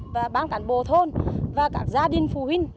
và bàn cản bộ thôn và các gia đình phụ huynh